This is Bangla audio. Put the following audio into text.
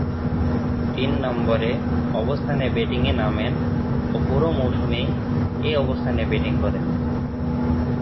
তিন নম্বরে অবস্থানে ব্যাটিংয়ে নামেন ও পুরো মৌসুমেই এ অবস্থানে ব্যাটিং করেন।